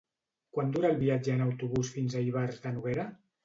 Quant dura el viatge en autobús fins a Ivars de Noguera?